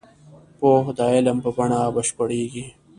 پوهه د عمل په بڼه بشپړېږي.